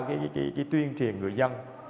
cái tuyên truyền người dân